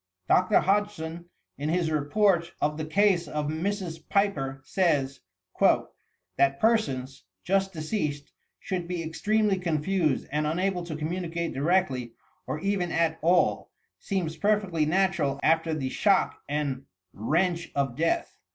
Dr. Hodgson, in his Report of the case of Mrs. Piper, says: ■'That persons, just deceased, should be extremely confused and unable to communicate directly or even at all, seems perfectly natural after the shock and wrench of death.